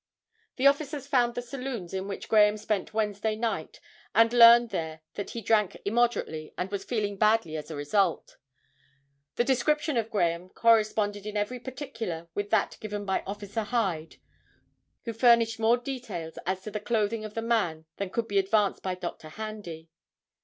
The officers found the saloons in which Graham spent Wednesday night, and learned there that he drank immoderately, and was feeling badly as a result. The description of Graham corresponded in every particular with that given by Officer Hyde, who furnished more details as to the clothing of the man than could be advanced by Dr. Handy.